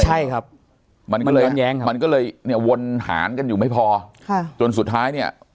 ใช่ครับมันก็เลยมันก็เลยเนี้ยวนหารกันอยู่ไม่พอค่ะจนสุดท้ายเนี้ย